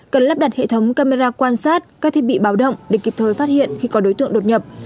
cần lắp đặt hệ thống camera quan sát các thiết bị báo động để kịp thời phát hiện khi có đối tượng đột nhập